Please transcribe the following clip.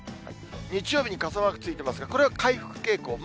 日曜日に傘マークついてますが、これは回復傾向。